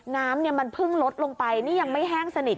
น้ำมันเพิ่งลดลงไปนี่ยังไม่แห้งสนิท